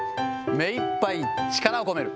目いっぱい力を込める。